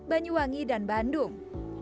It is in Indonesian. banyuwangi dan bandung